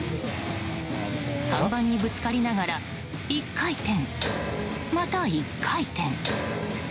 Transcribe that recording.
看板にぶつかりながら１回転、また１回転。